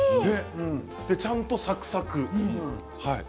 ちゃんとサクサク。